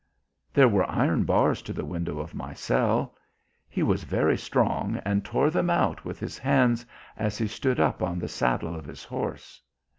"There were iron bars to the window of my cell. He was very strong and tore them out with his hands as he stood up on the saddle of his horse.